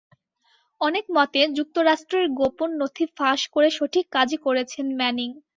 অনেক মতে, যুক্তরাষ্ট্রের গোপন নথি ফাঁস করে সঠিক কাজই করেছেন ম্যানিং।